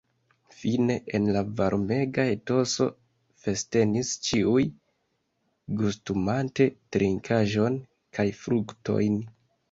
Fine, en la varmega etoso festenis ĉiuj, gustumante trinkaĵon kaj fruktojn.